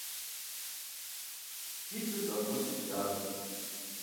Фи бгыр щӏэфкъузи фылажьэ.